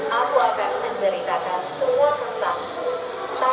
aku akan menceritakan semua tentangku